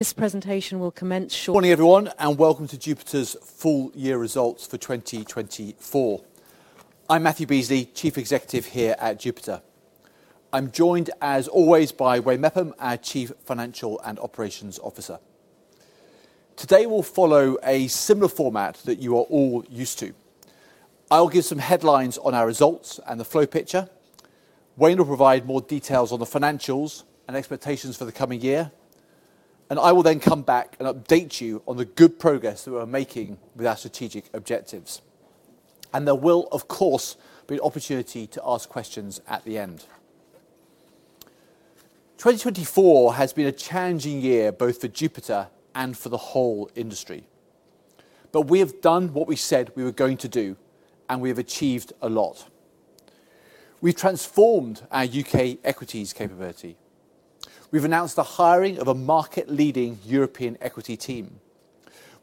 This presentation will commence shortly. Good morning, everyone, and welcome to Jupiter's full year results for 2024. I'm Matthew Beesley, Chief Executive here at Jupiter. I'm joined, as always, by Wayne Mepham, our Chief Financial and Operations Officer. Today, we'll follow a similar format that you are all used to. I'll give some headlines on our results and the flow picture. Wayne will provide more details on the financials and expectations for the coming year, and I will then come back and update you on the good progress that we're making with our strategic objectives, and there will, of course, be an opportunity to ask questions at the end. 2024 has been a challenging year, both for Jupiter and for the whole industry, but we have done what we said we were going to do, and we have achieved a lot. We've transformed our UK equities capability. We've announced the hiring of a market-leading European equity team.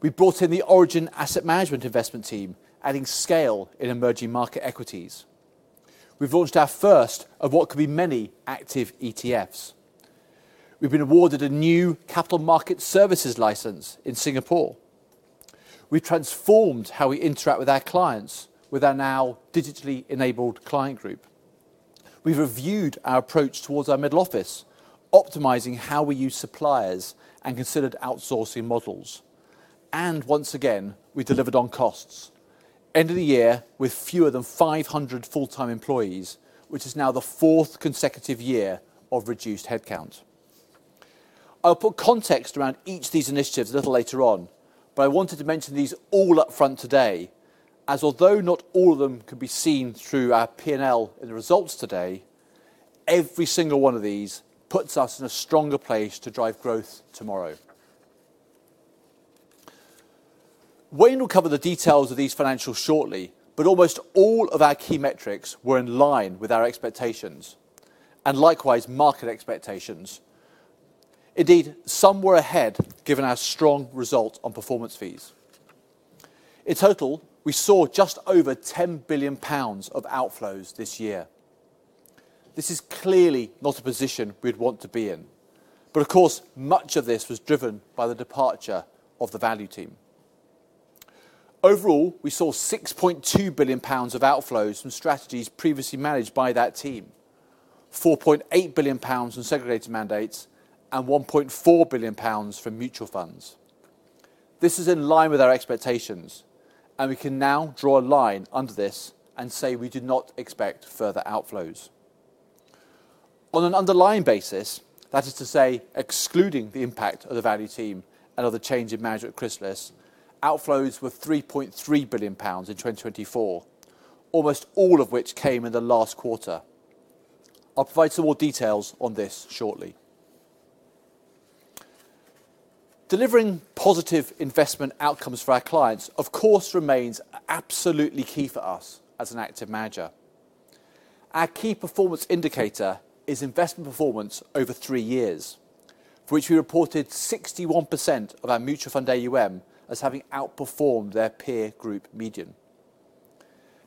We've brought in the Origin Asset Management investment team, adding scale in emerging market equities. We've launched our first of what could be many active ETFs. We've been awarded a new capital market services license in Singapore. We've transformed how we interact with our clients with our now digitally enabled client group. We've reviewed our approach towards our middle office, optimizing how we use suppliers and considered outsourcing models. And once again, we've delivered on costs. End of the year with fewer than 500 full-time employees, which is now the fourth consecutive year of reduced headcount. I'll put context around each of these initiatives a little later on, but I wanted to mention these all upfront today, as although not all of them can be seen through our P&L in the results today, every single one of these puts us in a stronger place to drive growth tomorrow. Wayne will cover the details of these financials shortly, but almost all of our key metrics were in line with our expectations, and likewise market expectations. Indeed, some were ahead, given our strong result on performance fees. In total, we saw just over 10 billion pounds of outflows this year. This is clearly not a position we'd want to be in. But of course, much of this was driven by the departure of the Value team. Overall, we saw 6.2 billion pounds of outflows from strategies previously managed by that team, 4.8 billion pounds from segregated mandates, and 1.4 billion pounds from mutual funds. This is in line with our expectations, and we can now draw a line under this and say we do not expect further outflows. On an underlying basis, that is to say, excluding the impact of the value team and other change in management at Chrysalis, outflows were 3.3 billion pounds in 2024, almost all of which came in the last quarter. I'll provide some more details on this shortly. Delivering positive investment outcomes for our clients, of course, remains absolutely key for us as an active manager. Our key performance indicator is investment performance over three years, for which we reported 61% of our mutual fund AUM as having outperformed their peer group median.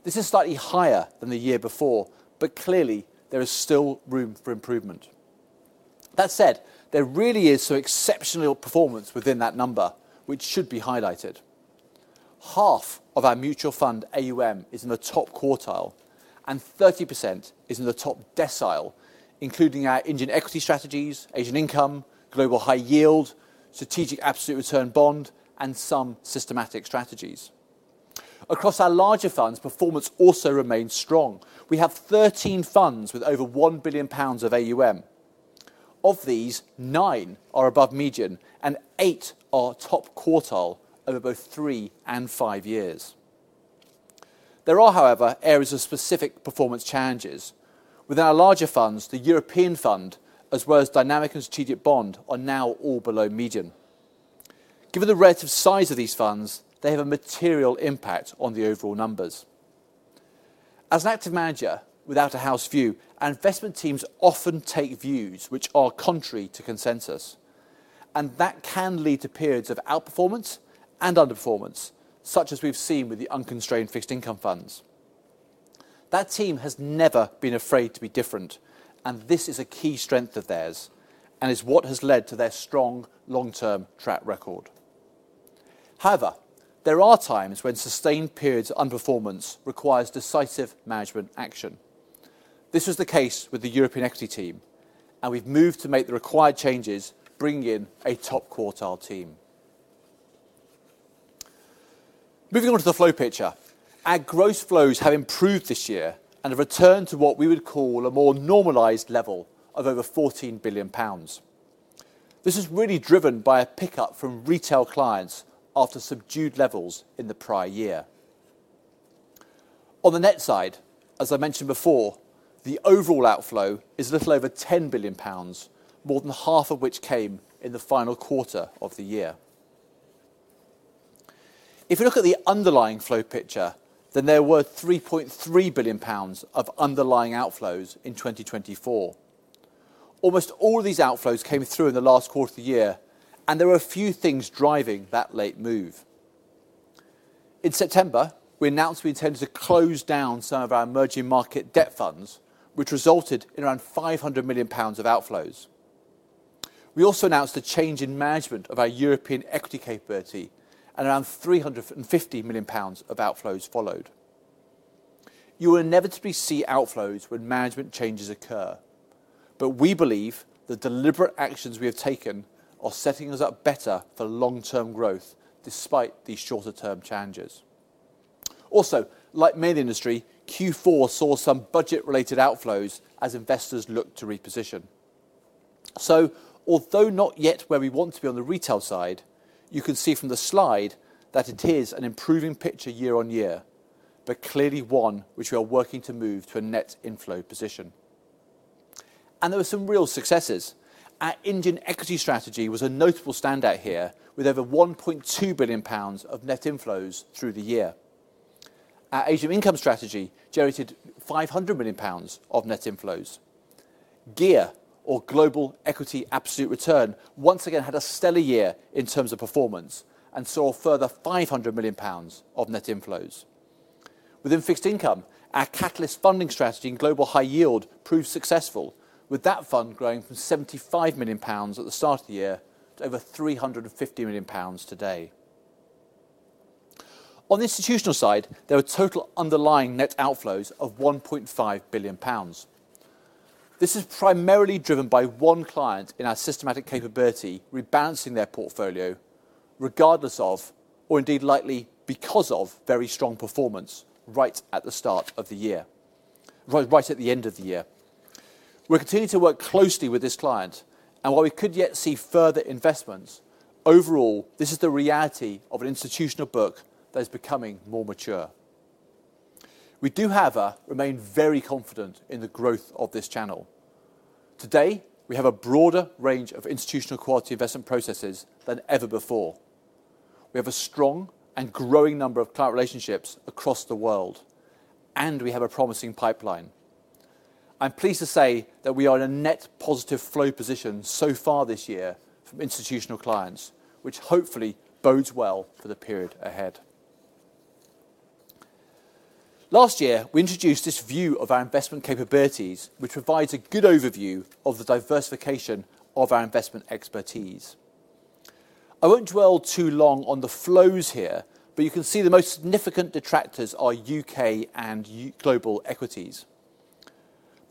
This is slightly higher than the year before, but clearly, there is still room for improvement. That said, there really is some exceptional performance within that number, which should be highlighted. Half of our mutual fund AUM is in the top quartile, and 30% is in the top decile, including our Indian equity strategies, Asian Income, Global High Yield, Strategic Absolute Return Bond, and some systematic strategies. Across our larger funds, performance also remains strong. We have 13 funds with over 1 billion pounds of AUM. Of these, nine are above median, and eight are top quartile over both three and five years. There are, however, areas of specific performance challenges. Within our larger funds, the European Fund, as well as Dynamic and Strategic Bond, are now all below median. Given the relative size of these funds, they have a material impact on the overall numbers. As an active manager without a house view, our investment teams often take views which are contrary to consensus. And that can lead to periods of outperformance and underperformance, such as we've seen with the unconstrained fixed income funds. That team has never been afraid to be different, and this is a key strength of theirs, and is what has led to their strong long-term track record. However, there are times when sustained periods of underperformance require decisive management action. This was the case with the European equity team, and we've moved to make the required changes, bringing in a top quartile team. Moving on to the flow picture, our gross flows have improved this year and have returned to what we would call a more normalized level of over 14 billion pounds. This is really driven by a pickup from retail clients after subdued levels in the prior year. On the net side, as I mentioned before, the overall outflow is a little over 10 billion pounds, more than half of which came in the final quarter of the year. If you look at the underlying flow picture, then there were 3.3 billion pounds of underlying outflows in 2024. Almost all of these outflows came through in the last quarter of the year, and there were a few things driving that late move. In September, we announced we intended to close down some of our emerging market debt funds, which resulted in around 500 million pounds of outflows. We also announced a change in management of our European equity capability, and around 350 million pounds of outflows followed. You will inevitably see outflows when management changes occur, but we believe the deliberate actions we have taken are setting us up better for long-term growth despite these shorter-term challenges. Also, like many in the industry, Q4 saw some budget-related outflows as investors looked to reposition. So, although not yet where we want to be on the retail side, you can see from the slide that it year-on-year, but clearly one which we are working to move to a net inflow position, and there were some real successes. Our Indian equity strategy was a notable standout here, with over 1.2 billion pounds of net inflows through the year. Our Asian income strategy generated 500 million pounds of net inflows. GEAR, or Global Equity Absolute Return, once again had a stellar year in terms of performance and saw a further 500 million pounds of net inflows. Within fixed income, our Catalyst Funding strategy in global high yield proved successful, with that fund growing from 75 million pounds at the start of the year to over 350 million pounds today. On the institutional side, there were total underlying net outflows of 1.5 billion pounds. This is primarily driven by one client in our systematic capability rebalancing their portfolio, regardless of, or indeed likely because of, very strong performance right at the start of the year, right at the end of the year. We're continuing to work closely with this client, and while we could yet see further investments, overall, this is the reality of an institutional book that is becoming more mature. We do, however, remain very confident in the growth of this channel. Today, we have a broader range of institutional quality investment processes than ever before. We have a strong and growing number of client relationships across the world, and we have a promising pipeline. I'm pleased to say that we are in a net positive flow position so far this year from institutional clients, which hopefully bodes well for the period ahead. Last year, we introduced this view of our investment capabilities, which provides a good overview of the diversification of our investment expertise. I won't dwell too long on the flows here, but you can see the most significant detractors are UK and global equities.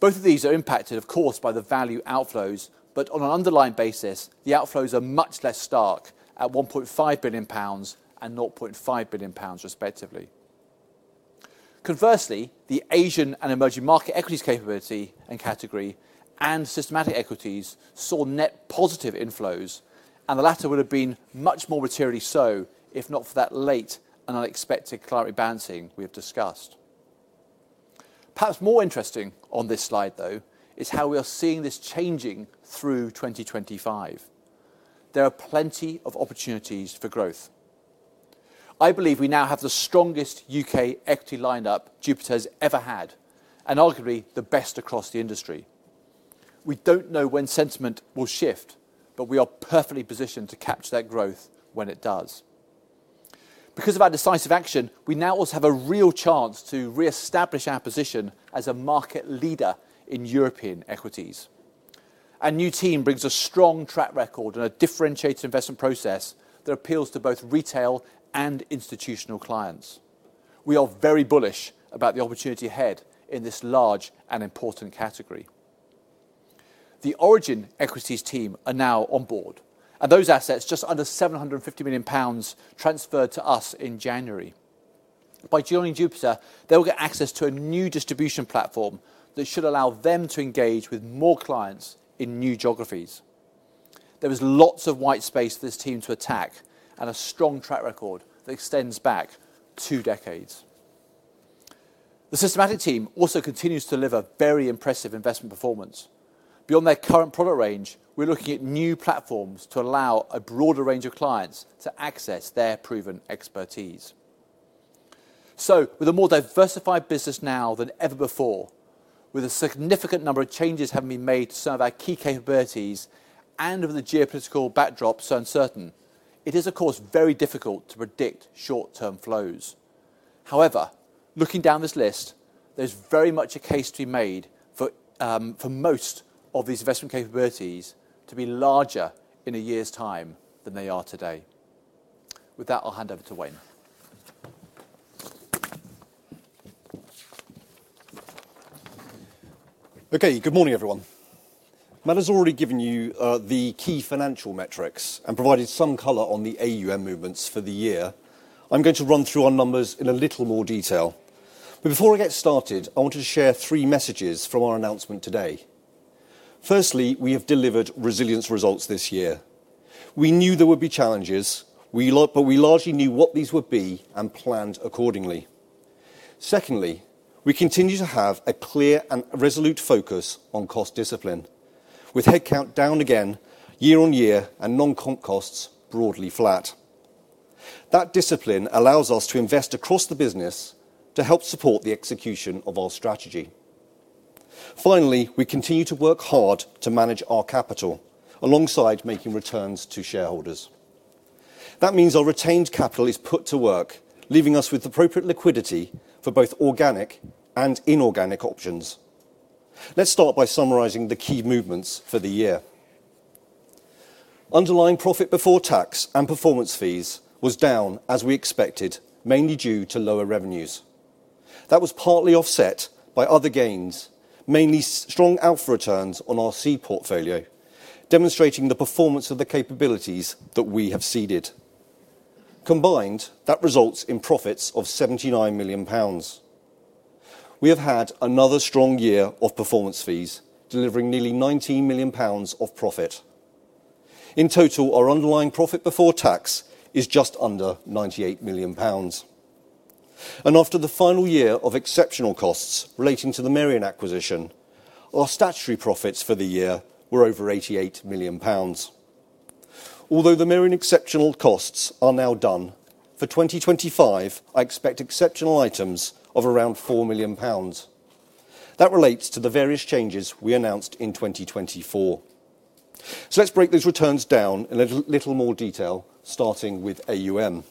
Both of these are impacted, of course, by the value outflows, but on an underlying basis, the outflows are much less stark at 1.5 billion pounds and 0.5 billion pounds, respectively. Conversely, the Asian and emerging market equities capability and category, and systematic equities, saw net positive inflows, and the latter would have been much more materially so if not for that late and unexpected client rebalancing we have discussed. Perhaps more interesting on this slide, though, is how we are seeing this changing through 2025. There are plenty of opportunities for growth. I believe we now have the strongest U.K. equity lineup Jupiter has ever had, and arguably the best across the industry. We don't know when sentiment will shift, but we are perfectly positioned to capture that growth when it does. Because of our decisive action, we now also have a real chance to reestablish our position as a market leader in European equities. Our new team brings a strong track record and a differentiated investment process that appeals to both retail and institutional clients. We are very bullish about the opportunity ahead in this large and important category. The Origin Equities team are now on board, and those assets, just under 750 million pounds, transferred to us in January. By joining Jupiter, they will get access to a new distribution platform that should allow them to engage with more clients in new geographies. There was lots of white space for this team to attack and a strong track record that extends back two decades. The systematic team also continues to deliver very impressive investment performance. Beyond their current product range, we're looking at new platforms to allow a broader range of clients to access their proven expertise. So, with a more diversified business now than ever before, with a significant number of changes having been made to some of our key capabilities, and with the geopolitical backdrop so uncertain, it is, of course, very difficult to predict short-term flows. However, looking down this list, there's very much a case to be made for most of these investment capabilities to be larger in a year's time than they are today. With that, I'll hand over to Wayne. Okay, good morning, everyone. Matt has already given you the key financial metrics and provided some color on the AUM movements for the year. I'm going to run through our numbers in a little more detail. But before I get started, I wanted to share three messages from our announcement today. Firstly, we have delivered resilience results this year. We knew there would be challenges, but we largely knew what these would be and planned accordingly. Secondly, we continue to have a clear and resolute focus on cost discipline, year-on-year and non-comp costs broadly flat. That discipline allows us to invest across the business to help support the execution of our strategy. Finally, we continue to work hard to manage our capital alongside making returns to shareholders. That means our retained capital is put to work, leaving us with appropriate liquidity for both organic and inorganic options. Let's start by summarizing the key movements for the year. Underlying profit before tax and performance fees was down, as we expected, mainly due to lower revenues. That was partly offset by other gains, mainly strong alpha returns on our seed portfolio, demonstrating the performance of the capabilities that we have seeded. Combined, that results in profits of 79 million pounds. We have had another strong year of performance fees, delivering nearly 19 million pounds of profit. In total, our underlying profit before tax is just under 98 million pounds. And after the final year of exceptional costs relating to the Merian acquisition, our statutory profits for the year were over 88 million pounds. Although the Merian exceptional costs are now done, for 2025, I expect exceptional items of around 4 million pounds. That relates to the various changes we announced in 2024. So let's break those returns down in a little more detail, starting with AUM.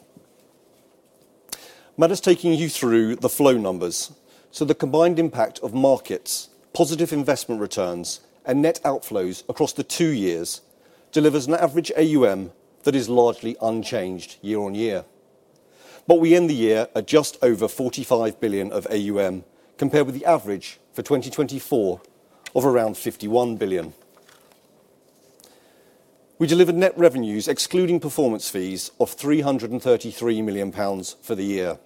Matt is taking you through the flow numbers. So the combined impact of markets, positive investment returns, and net outflows across the two years delivers an average AUM year-on-year. but we end the year at just over 45 billion of AUM, compared with the average for 2024 of around 51 billion. We delivered net revenues, excluding performance fees, of 333 million pounds for the year.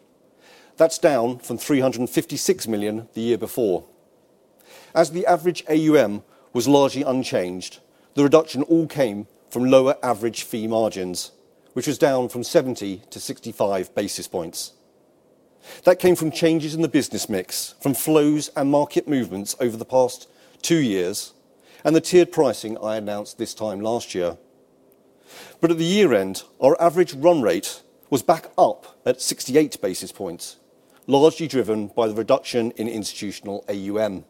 That's down from 356 million the year before. As the average AUM was largely unchanged, the reduction all came from lower average fee margins, which was down from 70 to 65 basis points. That came from changes in the business mix, from flows and market movements over the past two years, and the tiered pricing I announced this time last year. But at the year-end, our average run rate was back up at 68 basis points, largely driven by the reduction in institutional AUM.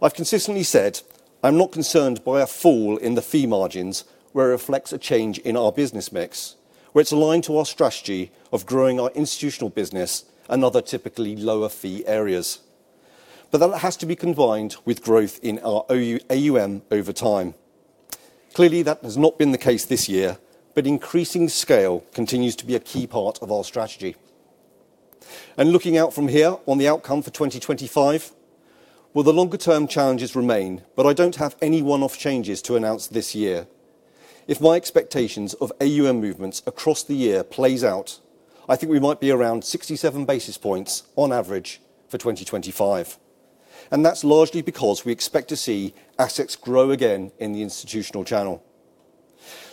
I've consistently said I'm not concerned by a fall in the fee margins where it reflects a change in our business mix, where it's aligned to our strategy of growing our institutional business and other typically lower fee areas. But that has to be combined with growth in our AUM over time. Clearly, that has not been the case this year, but increasing scale continues to be a key part of our strategy. And looking out from here on the outcome for 2025, well, the longer-term challenges remain, but I don't have any one-off changes to announce this year. If my expectations of AUM movements across the year play out, I think we might be around 67 basis points on average for 2025, and that's largely because we expect to see assets grow again in the institutional channel,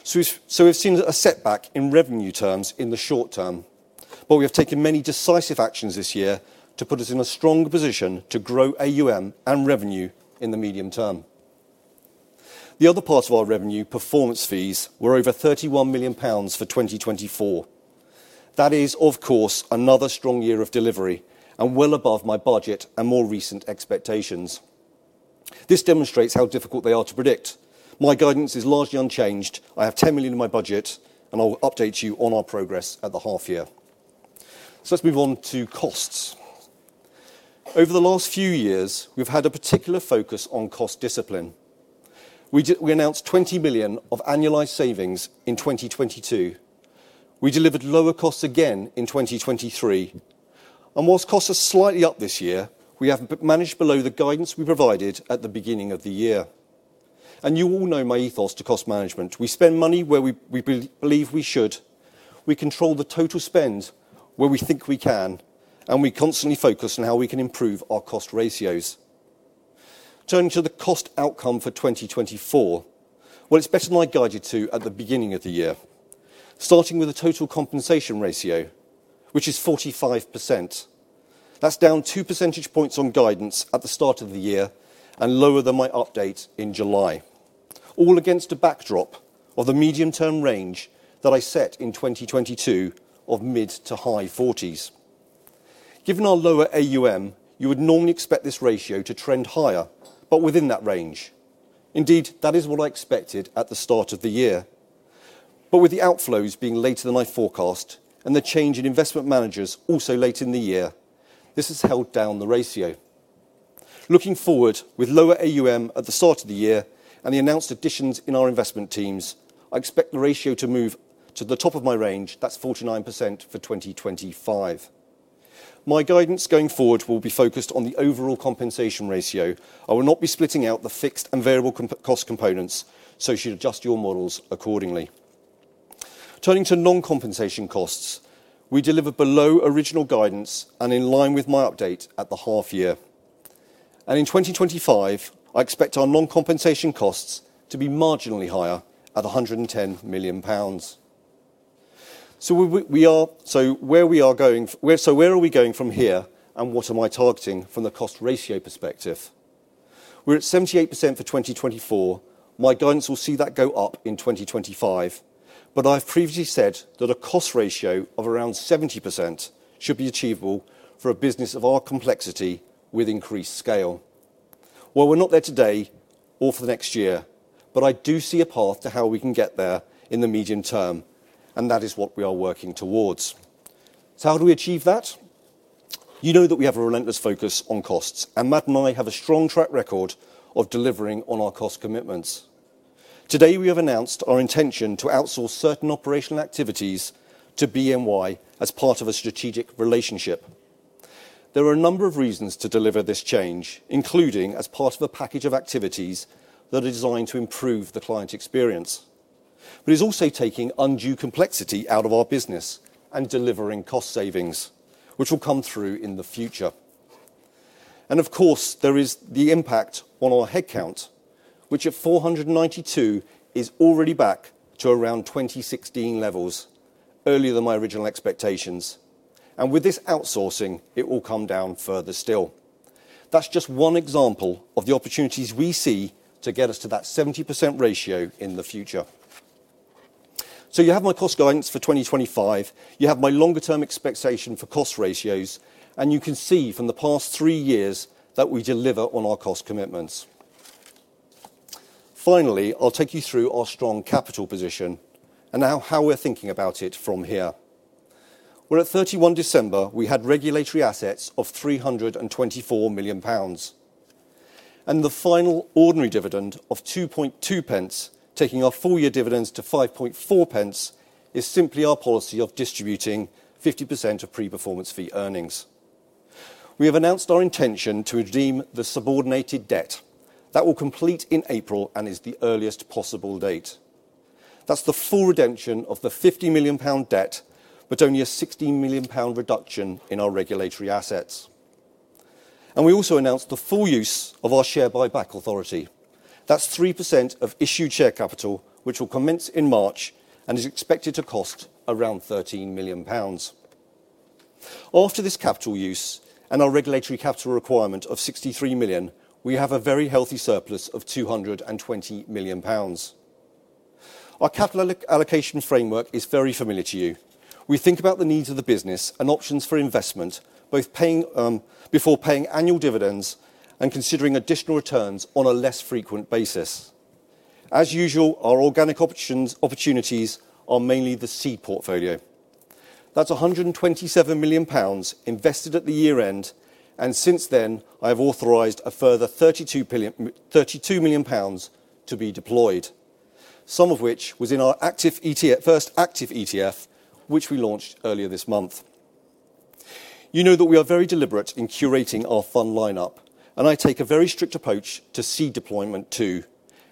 so we've seen a setback in revenue terms in the short term, but we have taken many decisive actions this year to put us in a strong position to grow AUM and revenue in the medium term. The other part of our revenue performance fees were over 31 million pounds for 2024. That is, of course, another strong year of delivery and well above my budget and more recent expectations. This demonstrates how difficult they are to predict. My guidance is largely unchanged. I have 10 million in my budget, and I'll update you on our progress at the half year, so let's move on to costs. Over the last few years, we've had a particular focus on cost discipline. We announced 20 million of annualized savings in 2022. We delivered lower costs again in 2023. And whilst costs are slightly up this year, we have managed below the guidance we provided at the beginning of the year. And you all know my ethos to cost management. We spend money where we believe we should. We control the total spend where we think we can, and we constantly focus on how we can improve our cost ratios. Turning to the cost outcome for 2024, well, it's better than I guided to at the beginning of the year, starting with a total compensation ratio, which is 45%. That's down two percentage points on guidance at the start of the year and lower than my update in July, all against a backdrop of the medium-term range that I set in 2022 of mid to high 40s. Given our lower AUM, you would normally expect this ratio to trend higher, but within that range. Indeed, that is what I expected at the start of the year. But with the outflows being later than I forecast and the change in investment managers also late in the year, this has held down the ratio. Looking forward with lower AUM at the start of the year and the announced additions in our investment teams, I expect the ratio to move to the top of my range. That's 49% for 2025. My guidance going forward will be focused on the overall compensation ratio. I will not be splitting out the fixed and variable cost components, so you should adjust your models accordingly. Turning to non-compensation costs, we deliver below original guidance and in line with my update at the half year. And in 2025, I expect our non-compensation costs to be marginally higher at 110 million pounds. So where are we going from here? And what am I targeting from the cost ratio perspective? We're at 78% for 2024. My guidance will see that go up in 2025. But I have previously said that a cost ratio of around 70% should be achievable for a business of our complexity with increased scale. Well, we're not there today or for the next year, but I do see a path to how we can get there in the medium term, and that is what we are working towards. So how do we achieve that? You know that we have a relentless focus on costs, and Matt and I have a strong track record of delivering on our cost commitments. Today, we have announced our intention to outsource certain operational activities to BNY as part of a strategic relationship. There are a number of reasons to deliver this change, including as part of a package of activities that are designed to improve the client experience. But it's also taking undue complexity out of our business and delivering cost savings, which will come through in the future. And of course, there is the impact on our headcount, which at 492 is already back to around 2016 levels, earlier than my original expectations. And with this outsourcing, it will come down further still. That's just one example of the opportunities we see to get us to that 70% ratio in the future. You have my cost guidance for 2025. You have my longer-term expectation for cost ratios, and you can see from the past three years that we deliver on our cost commitments. Finally, I'll take you through our strong capital position and how we're thinking about it from here. At 31 December, we had regulatory capital of 324 million pounds. The final ordinary dividend of 0.022, taking our full-year dividends to 0.054, is simply our policy of distributing 50% of pre-performance fee earnings. We have announced our intention to redeem the subordinated debt that will complete in April and is the earliest possible date. That's the full redemption of the 50 million pound debt, but only a 16 million pound reduction in our regulatory capital. We also announced the full use of our share buyback authority. That's 3% of issued share capital, which will commence in March and is expected to cost around GBP 13 million. After this capital use and our regulatory capital requirement of 63 million, we have a very healthy surplus of 220 million pounds. Our capital allocation framework is very familiar to you. We think about the needs of the business and options for investment, both before paying annual dividends and considering additional returns on a less frequent basis. As usual, our organic opportunities are mainly the seed portfolio. That's 127 million pounds invested at the year-end, and since then, I have authorized a further 32 million pounds to be deployed, some of which was in our first active ETF, which we launched earlier this month. You know that we are very deliberate in curating our fund lineup, and I take a very strict approach to seed deployment too.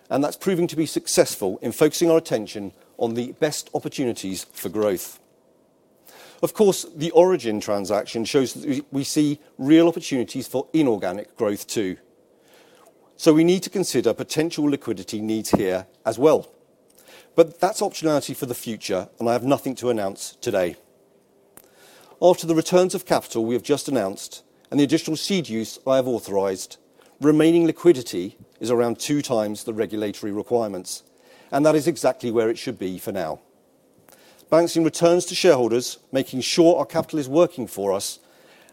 That's proving to be successful in focusing our attention on the best opportunities for growth. Of course, the Origin transaction shows that we see real opportunities for inorganic growth too. We need to consider potential liquidity needs here as well. That's optionality for the future, and I have nothing to announce today. After the returns of capital we have just announced and the additional seed use I have authorized, remaining liquidity is around two times the regulatory requirements, and that is exactly where it should be for now. Returning returns to shareholders, making sure our capital is working for us,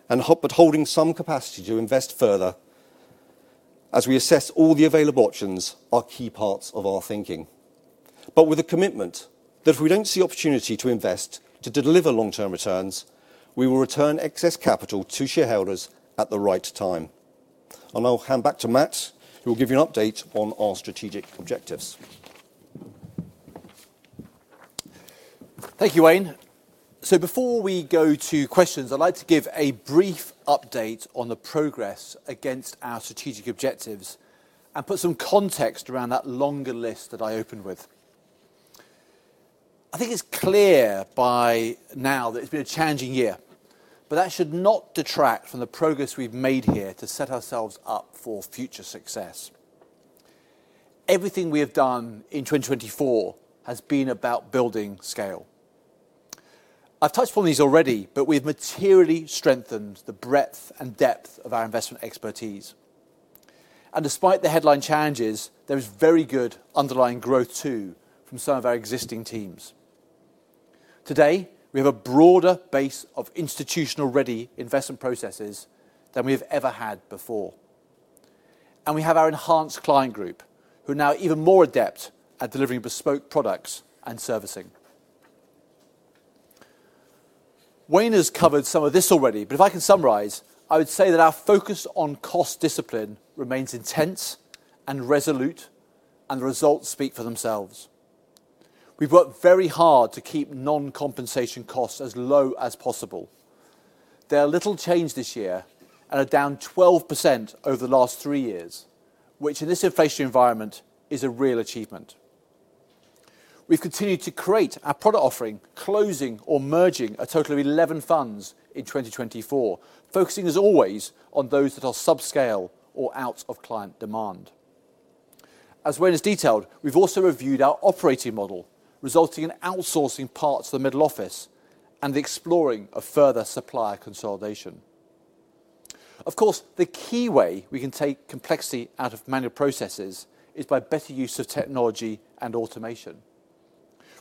but holding some capacity to invest further as we assess all the available options are key parts of our thinking. With a commitment that if we don't see opportunity to invest to deliver long-term returns, we will return excess capital to shareholders at the right time. And I'll hand back to Matt, who will give you an update on our strategic objectives. Thank you, Wayne. So before we go to questions, I'd like to give a brief update on the progress against our strategic objectives and put some context around that longer list that I opened with. I think it's clear by now that it's been a challenging year, but that should not detract from the progress we've made here to set ourselves up for future success. Everything we have done in 2024 has been about building scale. I've touched on these already, but we've materially strengthened the breadth and depth of our investment expertise. And despite the headline challenges, there is very good underlying growth too from some of our existing teams. Today, we have a broader base of institutional-ready investment processes than we have ever had before. We have our enhanced client group, who are now even more adept at delivering bespoke products and servicing. Wayne has covered some of this already, but if I can summarize, I would say that our focus on cost discipline remains intense and resolute, and the results speak for themselves. We've worked very hard to keep non-compensation costs as low as possible. They are little changed this year and are down 12% over the last three years, which in this inflationary environment is a real achievement. We've continued to create our product offering, closing or merging a total of 11 funds in 2024, focusing as always on those that are subscale or out of client demand. As Wayne has detailed, we've also reviewed our operating model, resulting in outsourcing parts of the middle office and the exploring of further supplier consolidation. Of course, the key way we can take complexity out of manual processes is by better use of technology and automation.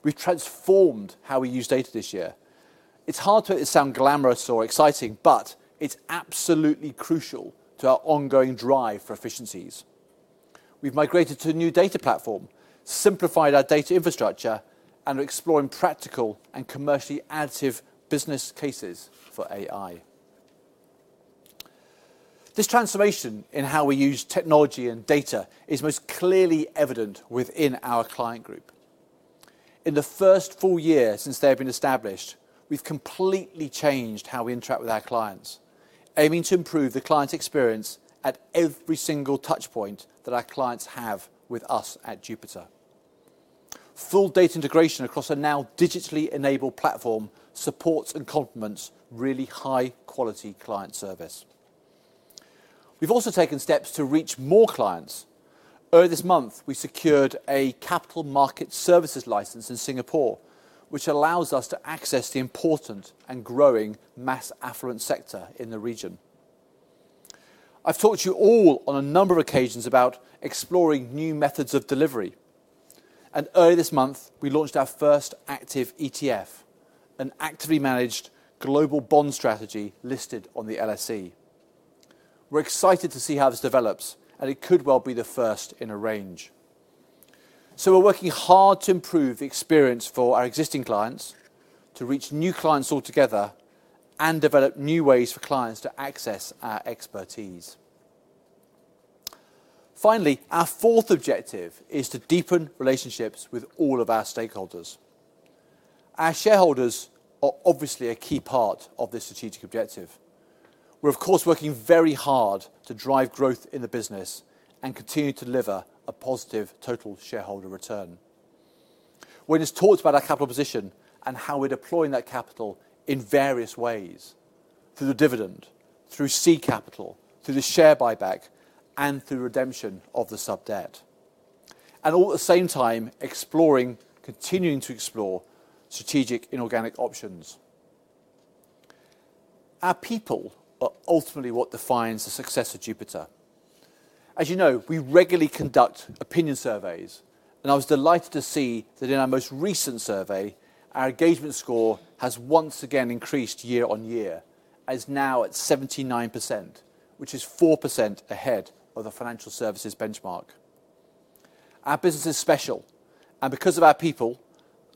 We've transformed how we use data this year. It's hard to sound glamorous or exciting, but it's absolutely crucial to our ongoing drive for efficiencies. We've migrated to a new data platform, simplified our data infrastructure, and are exploring practical and commercially additive business cases for AI. This transformation in how we use technology and data is most clearly evident within our client group. In the first full year since they have been established, we've completely changed how we interact with our clients, aiming to improve the client experience at every single touchpoint that our clients have with us at Jupiter. Full data integration across a now digitally enabled platform supports and complements really high-quality client service. We've also taken steps to reach more clients. Earlier this month, we secured a capital market services license in Singapore, which allows us to access the important and growing mass affluent sector in the region. I've talked to you all on a number of occasions about exploring new methods of delivery. And earlier this month, we launched our first active ETF, an actively managed global bond strategy listed on the LSE. We're excited to see how this develops, and it could well be the first in a range. So we're working hard to improve the experience for our existing clients, to reach new clients altogether, and develop new ways for clients to access our expertise. Finally, our fourth objective is to deepen relationships with all of our stakeholders. Our shareholders are obviously a key part of this strategic objective. We're, of course, working very hard to drive growth in the business and continue to deliver a positive total shareholder return. Wayne has talked about our capital position and how we're deploying that capital in various ways: through the dividend, through seed capital, through the share buyback, and through redemption of the sub debt. And all at the same time, exploring, continuing to explore strategic inorganic options. Our people are ultimately what defines the success of Jupiter. As you know, we regularly conduct opinion surveys, and I was delighted to see that in our most recent survey, our engagement score year-on-year. it's now at 79%, which is 4% ahead of the financial services benchmark. Our business is special, and because of our people,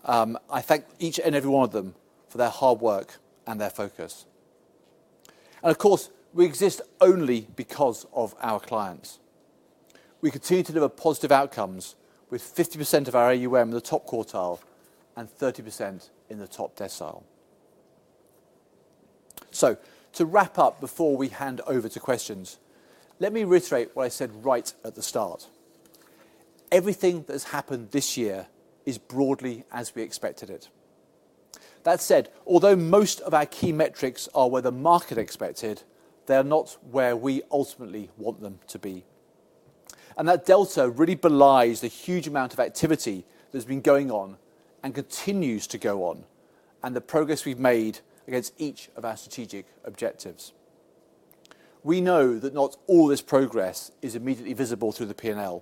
I thank each and every one of them for their hard work and their focus. And of course, we exist only because of our clients. We continue to deliver positive outcomes with 50% of our AUM in the top quartile and 30% in the top decile. So to wrap up before we hand over to questions, let me reiterate what I said right at the start. Everything that has happened this year is broadly as we expected it. That said, although most of our key metrics are where the market expected, they are not where we ultimately want them to be. And that delta really belies the huge amount of activity that has been going on and continues to go on and the progress we've made against each of our strategic objectives. We know that not all this progress is immediately visible through the P&L,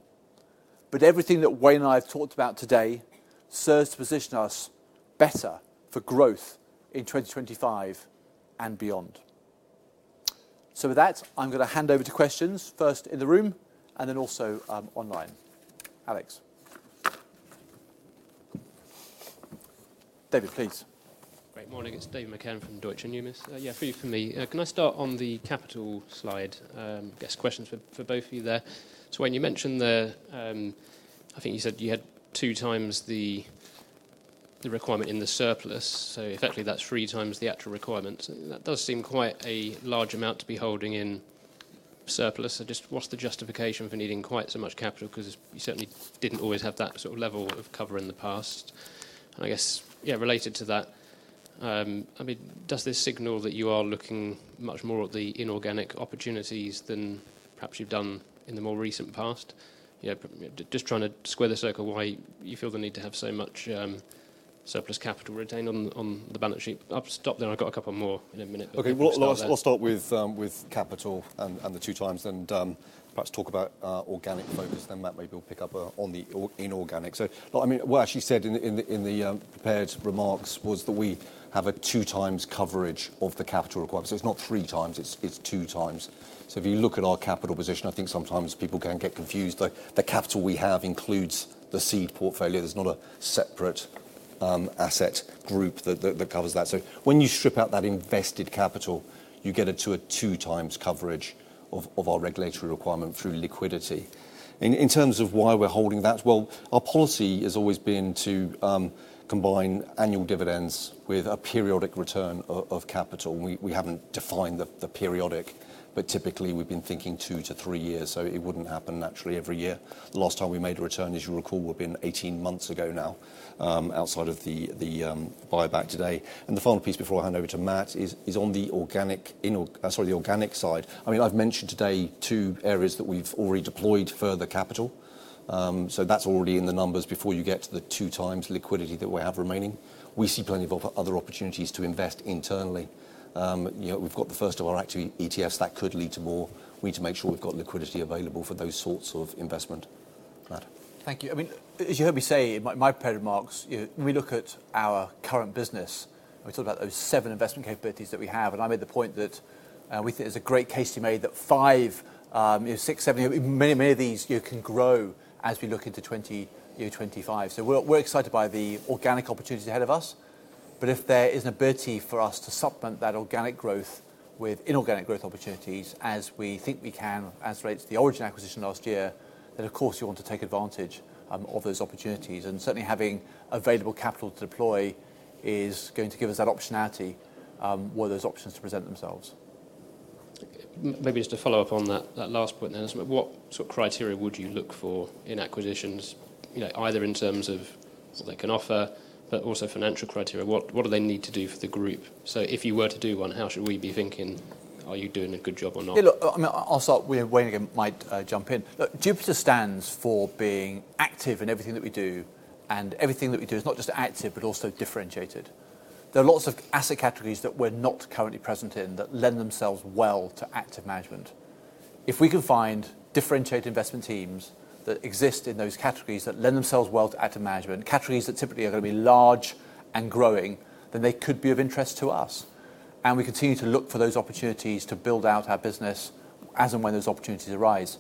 but everything that Wayne and I have talked about today serves to position us better for growth in 2025 and beyond. So with that, I'm going to hand over to questions, first in the room and then also online. Alex. David, please. Great morning. It's David McCann from Deutsche Numis. Yeah, free for me. Can I start on the capital slide? I guess questions for both of you there. So when you mentioned the, I think you said you had two times the requirement in the surplus. So effectively, that's three times the actual requirements. That does seem quite a large amount to be holding in surplus. Just what's the justification for needing quite so much capital? Because you certainly didn't always have that sort of level of cover in the past. I guess, yeah, related to that, I mean, does this signal that you are looking much more at the inorganic opportunities than perhaps you've done in the more recent past? Just trying to square the circle why you feel the need to have so much surplus capital retained on the balance sheet. I'll stop there. I've got a couple more in a minute. Okay, I'll start with capital and the two times and perhaps talk about organic focus. Then Matt maybe will pick up on the inorganic. I mean, what actually said in the prepared remarks was that we have a two times coverage of the capital requirement. So it's not three times, it's two times. So if you look at our capital position, I think sometimes people can get confused. The capital we have includes the seed portfolio. There's not a separate asset group that covers that. So when you strip out that invested capital, you get to a two times coverage of our regulatory requirement through liquidity. In terms of why we're holding that, well, our policy has always been to combine annual dividends with a periodic return of capital. We haven't defined the periodic, but typically we've been thinking two to three years. So it wouldn't happen naturally every year. The last time we made a return, as you recall, would have been 18 months ago now, outside of the buyback today. And the final piece before I hand over to Matt is on the organic, sorry, the organic side. I mean, I've mentioned today two areas that we've already deployed further capital. So that's already in the numbers before you get to the two times liquidity that we have remaining. We see plenty of other opportunities to invest internally. We've got the first of our active ETFs that could lead to more. We need to make sure we've got liquidity available for those sorts of investment. Thank you. I mean, as you heard me say in my prepared remarks, we look at our current business. We talked about those seven investment capabilities that we have. And I made the point that we think it's a great case you made that five, six, seven, many, many of these can grow as we look into 2025. So we're excited by the organic opportunities ahead of us. But if there is an ability for us to supplement that organic growth with inorganic growth opportunities as we think we can as relates to the Origin acquisition last year, then of course you want to take advantage of those opportunities. Certainly having available capital to deploy is going to give us that optionality where those options to present themselves. Maybe just to follow up on that last point there, what sort of criteria would you look for in acquisitions, either in terms of what they can offer, but also financial criteria? What do they need to do for the group? If you were to do one, how should we be thinking? Are you doing a good job or not? I mean, I'll start with Wayne again, might jump in. Look, Jupiter stands for being active in everything that we do. Everything that we do is not just active, but also differentiated. There are lots of asset categories that we're not currently present in that lend themselves well to active management. If we can find differentiated investment teams that exist in those categories that lend themselves well to active management, categories that typically are going to be large and growing, then they could be of interest to us. And we continue to look for those opportunities to build out our business as and when those opportunities arise.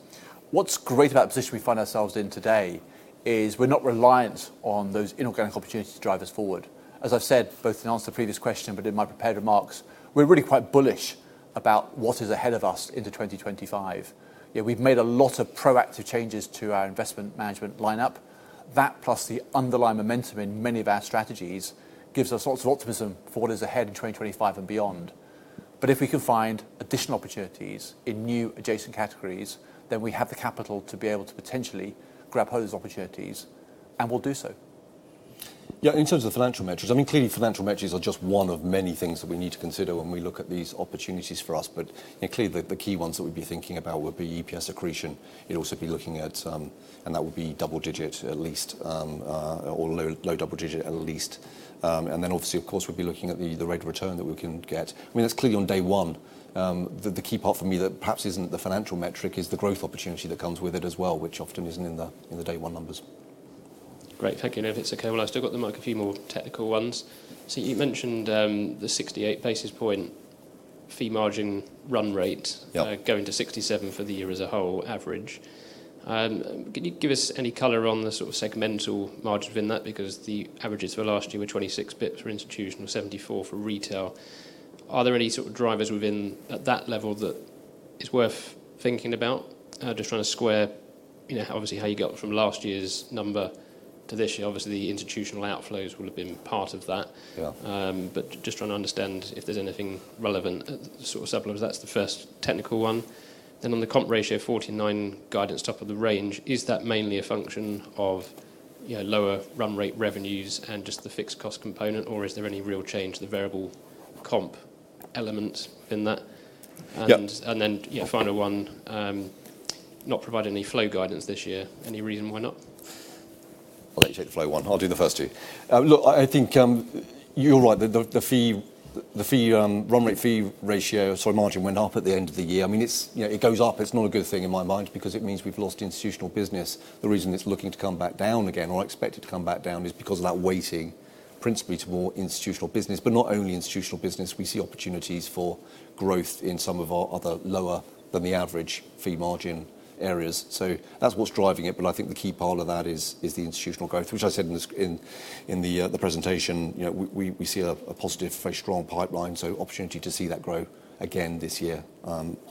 What's great about the position we find ourselves in today is we're not reliant on those inorganic opportunities to drive us forward. As I've said, both in answer to the previous question, but in my prepared remarks, we're really quite bullish about what is ahead of us into 2025. We've made a lot of proactive changes to our investment management lineup. That plus the underlying momentum in many of our strategies gives us lots of optimism for what is ahead in 2025 and beyond. But if we can find additional opportunities in new adjacent categories, then we have the capital to be able to potentially grab hold of those opportunities. And we'll do so. Yeah, in terms of financial metrics, I mean, clearly financial metrics are just one of many things that we need to consider when we look at these opportunities for us. But clearly the key ones that we'd be thinking about would be EPS accretion. It'd also be looking at, and that would be double digit at least, or low double digit at least. And then obviously, of course, we'd be looking at the rate of return that we can get. I mean, that's clearly on day one. The key part for me that perhaps isn't the financial metric is the growth opportunity that comes with it as well, which often isn't in the day one numbers. Great. Thank you. And if it's okay, when I've still got the mic, a few more technical ones. So you mentioned the 68 basis points fee margin run rate going to 67 for the year as a whole average. Can you give us any color on the sort of segmental margin in that? Because the averages for last year were 26 basis points for institutional, 74 for retail. Are there any sort of drivers within at that level that it's worth thinking about? Just trying to square, obviously, how you got from last year's number to this year. Obviously, the institutional outflows will have been part of that. But just trying to understand if there's anything relevant that sort of supplements. That's the first technical one. Then on the comp ratio, 49 guidance top of the range, is that mainly a function of lower run rate revenues and just the fixed cost component? Or is there any real change to the variable comp element in that? And then final one, not providing any flow guidance this year. Any reason why not? I'll let you take the flow one. I'll do the first two. Look, I think you're right. The fee run rate fee ratio, sorry, margin went up at the end of the year. I mean, it goes up. It's not a good thing in my mind because it means we've lost institutional business. The reason it's looking to come back down again or expected to come back down is because of that weighting principally to more institutional business. But not only institutional business, we see opportunities for growth in some of our other lower than the average fee margin areas. So that's what's driving it. But I think the key part of that is the institutional growth, which I said in the presentation. We see a positive, very strong pipeline. So opportunity to see that grow again this year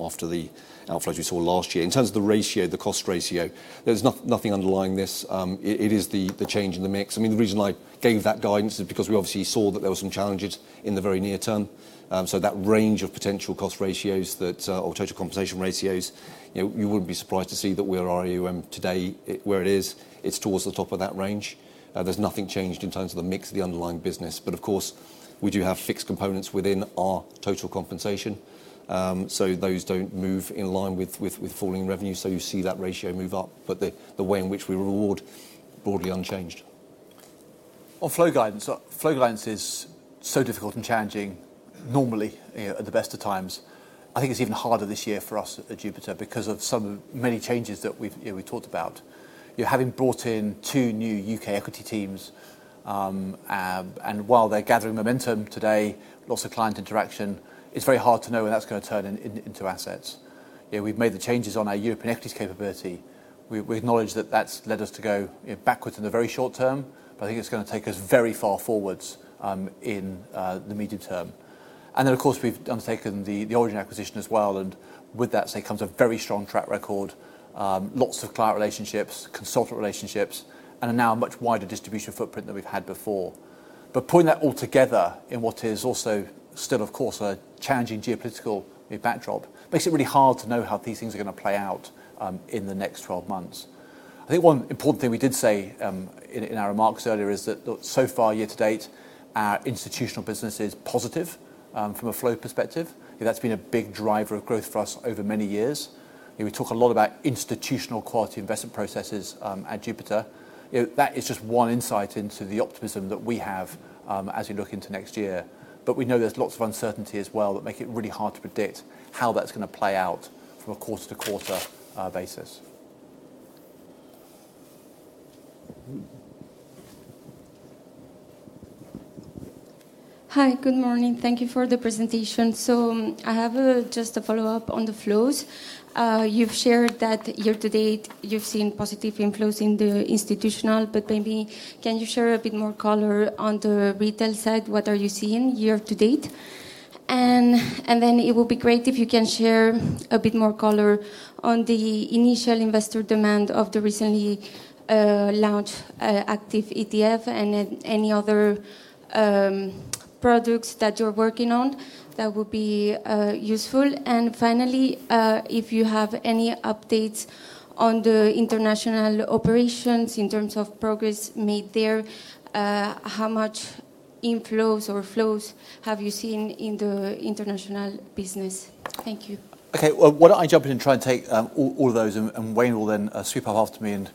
after the outflows we saw last year. In terms of the ratio, the cost ratio, there's nothing underlying this. It is the change in the mix. I mean, the reason I gave that guidance is because we obviously saw that there were some challenges in the very near term. So that range of potential cost ratios or total compensation ratios, you wouldn't be surprised to see that where our AUM today, where it is, it's towards the top of that range. There's nothing changed in terms of the mix of the underlying business. But of course, we do have fixed components within our total compensation. So those don't move in line with falling revenue. You see that ratio move up, but the way in which we reward is broadly unchanged. Well, flow guidance is so difficult and challenging normally at the best of times. I think it's even harder this year for us at Jupiter because of so many changes that we've talked about. Having brought in two new U.K. equity teams, and while they're gathering momentum to date, lots of client interaction, it's very hard to know when that's going to turn into assets. We've made the changes on our European equities capability. We acknowledge that that's led us to go backward in the very short term, but I think it's going to take us very far forward in the medium term, and then, of course, we've undertaken the Origin acquisition as well. And with that, so it comes with a very strong track record, lots of client relationships, consultant relationships, and now a much wider distribution footprint than we've had before. But putting that all together in what is also still, of course, a challenging geopolitical backdrop, makes it really hard to know how these things are going to play out in the next 12 months. I think one important thing we did say in our remarks earlier is that so far, year to date, our institutional business is positive from a flow perspective. That's been a big driver of growth for us over many years. We talk a lot about institutional quality investment processes at Jupiter. That is just one insight into the optimism that we have as we look into next year. But we know there's lots of uncertainty as well that make it really hard to predict how that's going to play out from a quarter to quarter basis. Hi, good morning. Thank you for the presentation. So I have just a follow-up on the flows. You've shared that year to date, you've seen positive inflows in the institutional, but maybe can you share a bit more color on the retail side? What are you seeing year to date? And then it would be great if you can share a bit more color on the initial investor demand of the recently launched active ETF and any other products that you're working on that would be useful. And finally, if you have any updates on the international operations in terms of progress made there, how much inflows or flows have you seen in the international business? Thank you. Okay, well, why don't I jump in and try and take all of those, and Wayne will then sweep up after me and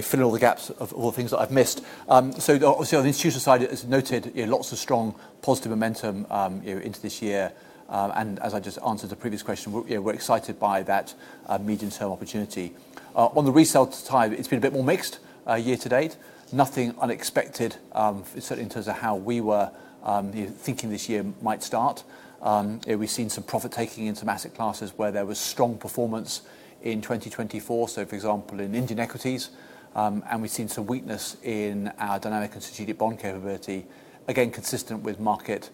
fill in all the gaps of all the things that I've missed. So obviously, on the institutional side, as noted, lots of strong positive momentum into this year. And as I just answered the previous question, we're excited by that medium-term opportunity. On the retail side, it's been a bit more mixed year to date. Nothing unexpected, certainly in terms of how we were thinking this year might start. We've seen some profit taking in asset classes where there was strong performance in 2024. So, for example, in Indian equities, and we've seen some weakness in our Dynamic and Strategic Bond capability, again, consistent with market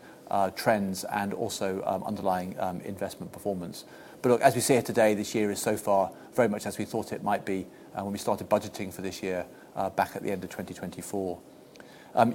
trends and also underlying investment performance. But look, as we see it today, this year is so far very much as we thought it might be when we started budgeting for this year back at the end of 2024.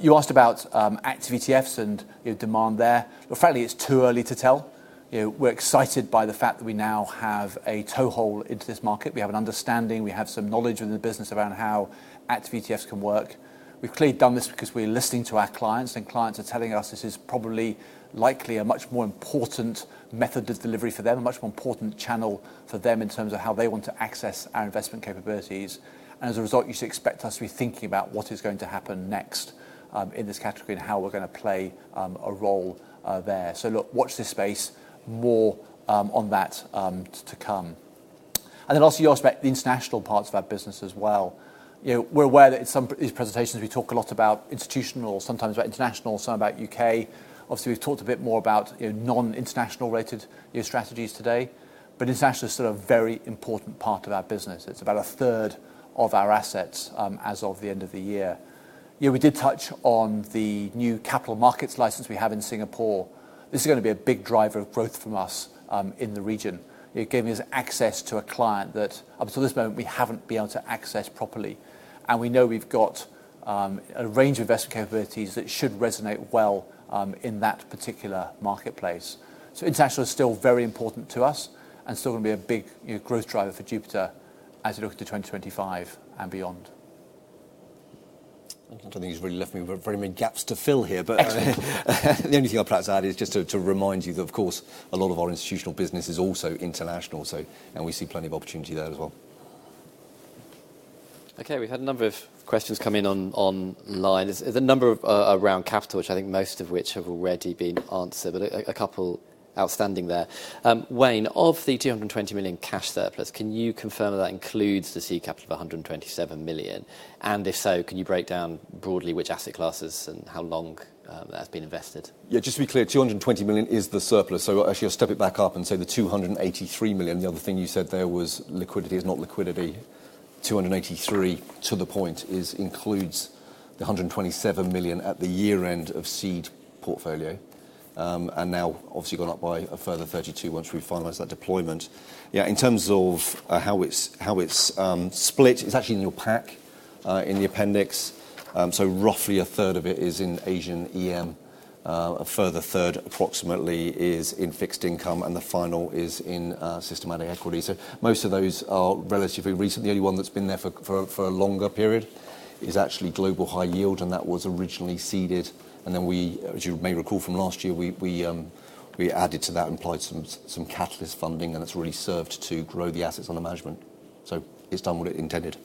You asked about active ETFs and demand there. Well, frankly, it's too early to tell. We're excited by the fact that we now have a toehold into this market. We have an understanding. We have some knowledge within the business around how active ETFs can work. We've clearly done this because we're listening to our clients, and clients are telling us this is probably likely a much more important method of delivery for them, a much more important channel for them in terms of how they want to access our investment capabilities. And as a result, you should expect us to be thinking about what is going to happen next in this category and how we're going to play a role there. So look, watch this space, more on that to come. And then also you asked about the international parts of our business as well. We're aware that in some of these presentations, we talk a lot about institutional, sometimes about international, some about UK. Obviously, we've talked a bit more about non-international related strategies today. But international is still a very important part of our business. It's about a third of our assets as of the end of the year. We did touch on the new capital markets license we have in Singapore. This is going to be a big driver of growth for us in the region. It gave us access to a client that up until this moment, we haven't been able to access properly. And we know we've got a range of investment capabilities that should resonate well in that particular marketplace. So international is still very important to us and still going to be a big growth driver for Jupiter as we look to 2025 and beyond. I don't think you've really left me very many gaps to fill here. But the only thing I'll perhaps add is just to remind you that, of course, a lot of our institutional business is also international. And we see plenty of opportunity there as well. Okay, we've had a number of questions come in online. There's a number around capital, which I think most of which have already been answered, but a couple outstanding there. Wayne, of the 220 million cash surplus, can you confirm that that includes the seed capital of 127 million? And if so, can you break down broadly which asset classes and how long that has been invested? Yeah, just to be clear, 220 million is the surplus. Actually, you'll step it back up and say the 283 million. The other thing you said there was liquidity is not liquidity. 283, to the point, includes the 127 million at the year end of seed portfolio. And now, obviously, gone up by a further 32 once we finalize that deployment. Yeah, in terms of how it's split, it's actually in your pack in the appendix. Roughly a third of it is in Asian EM. A further third approximately is in fixed income, and the final is in systematic equity. Most of those are relatively recent. The only one that's been there for a longer period is actually Global High Yield, and that was originally seeded. And then we, as you may recall from last year, we added to that and applied some Catalyst Funding, and it's really served to grow the assets under management. So it's done what it intended.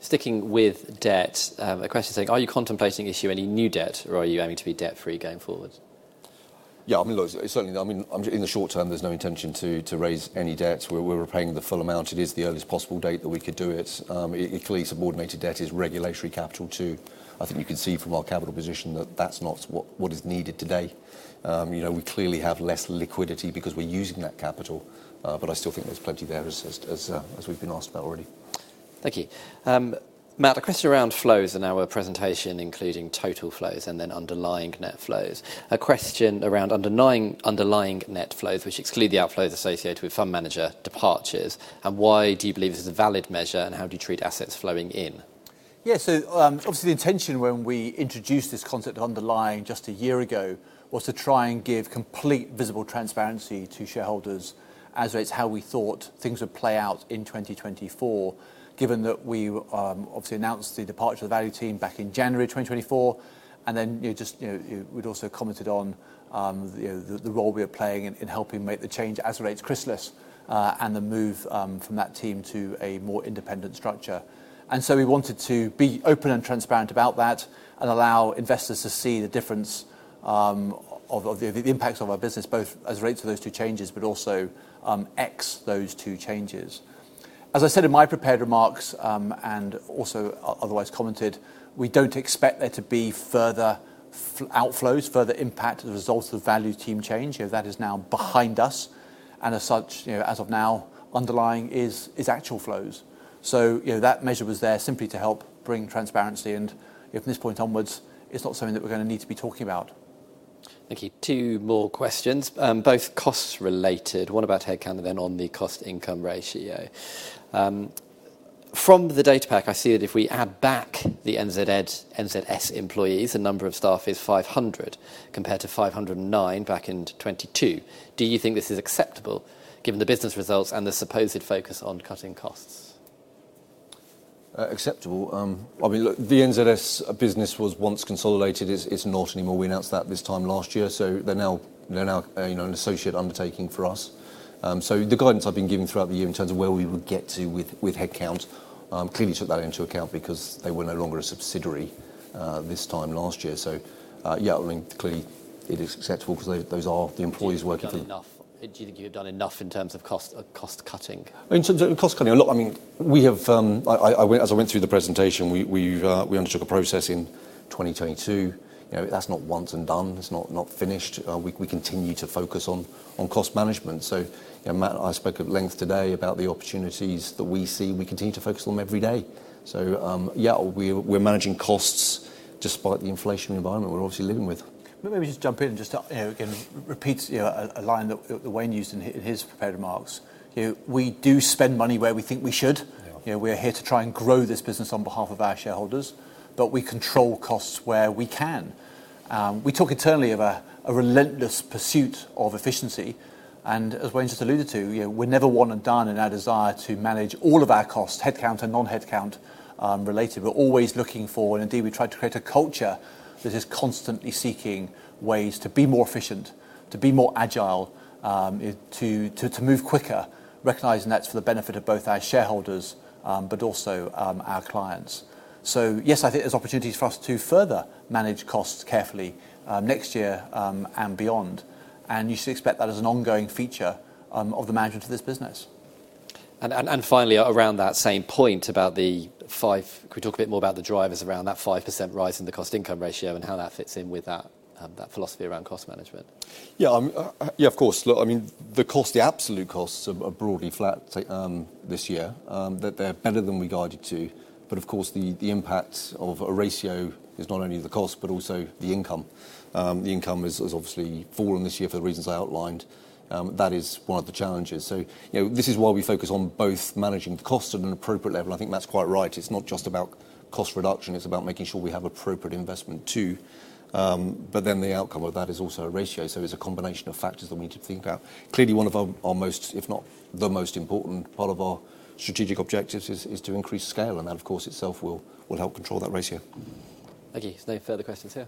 Sticking with debt, a question saying, "Are you contemplating issuing any new debt, or are you aiming to be debt-free going forward?" Yeah, I mean, look, certainly, I mean, in the short term, there's no intention to raise any debts. We're repaying the full amount. It is the earliest possible date that we could do it. Equally subordinated debt is regulatory capital too. I think you can see from our capital position that that's not what is needed today. We clearly have less liquidity because we're using that capital. But I still think there's plenty there as we've been asked about already. Thank you. Matt, a question around flows in our presentation, including total flows and then underlying net flows. A question around underlying net flows, which exclude the outflows associated with fund manager departures. And why do you believe this is a valid measure, and how do you treat assets flowing in? Yeah, so obviously, the intention when we introduced this concept of underlying just a year ago was to try and give complete visible transparency to shareholders as it's how we thought things would play out in 2024, given that we obviously announced the departure of the value team back in January 2024. And then just we'd also commented on the role we were playing in helping make the change as it relates to Chrysalis and the move from that team to a more independent structure. And so we wanted to be open and transparent about that and allow investors to see the difference of the impacts of our business, both as it relates to those two changes, but also beyond those two changes. As I said in my prepared remarks and also otherwise commented, we don't expect there to be further outflows, further impact as a result of value team change. That is now behind us. And as such, as of now, underlying is actual flows. So that measure was there simply to help bring transparency. And from this point onwards, it's not something that we're going to need to be talking about. Thank you. Two more questions, both cost-related. One about headcount and then on the cost-income ratio. From the data pack, I see that if we add back the NZS employees, the number of staff is 500 compared to 509 back in 2022. Do you think this is acceptable given the business results and the supposed focus on cutting costs? Acceptable. I mean, look, the NZS business was once consolidated. It's not anymore. We announced that this time last year. So they're now an associate undertaking for us. So the guidance I've been giving throughout the year in terms of where we would get to with headcount, clearly took that into account because they were no longer a subsidiary this time last year. So yeah, I mean, clearly it is acceptable because those are the employees working for you. Do you think you've done enough in terms of cost cutting? In terms of cost cutting, I mean, we have, as I went through the presentation, we undertook a process in 2022. That's not once and done. It's not finished. We continue to focus on cost management. So Matt and I spoke at length today about the opportunities that we see. We continue to focus on them every day. So yeah, we're managing costs despite the inflationary environment we're obviously living with. Maybe just jump in and just again repeat a line that Wayne used in his prepared remarks. We do spend money where we think we should. We're here to try and grow this business on behalf of our shareholders, but we control costs where we can. We talk internally of a relentless pursuit of efficiency. And as Wayne just alluded to, we're never one and done in our desire to manage all of our costs, headcount and non-headcount related, but always looking for, and indeed, we tried to create a culture that is constantly seeking ways to be more efficient, to be more agile, to move quicker, recognizing that's for the benefit of both our shareholders, but also our clients. So yes, I think there's opportunities for us to further manage costs carefully next year and beyond. And you should expect that as an ongoing feature of the management of this business. And finally, around that same point about the five, can we talk a bit more about the drivers around that 5% rise in the cost-income ratio and how that fits in with that philosophy around cost management? Yeah, of course. Look, I mean, the absolute costs are broadly flat this year. They're better than we guided to. But of course, the impact of a ratio is not only the cost, but also the income. The income has obviously fallen this year for the reasons I outlined. That is one of the challenges. So this is why we focus on both managing the cost at an appropriate level. I think that's quite right. It's not just about cost reduction. It's about making sure we have appropriate investment too. But then the outcome of that is also a ratio. So it's a combination of factors that we need to think about. Clearly, one of our most, if not the most important part of our strategic objectives is to increase scale. And that, of course, itself will help control that ratio. Thank you. There's no further questions here.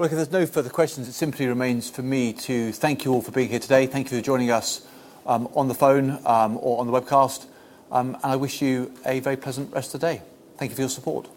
Look, if there's no further questions, it simply remains for me to thank you all for being here today. Thank you for joining us on the phone or on the webcast. I wish you a very pleasant rest of the day. Thank you for your support.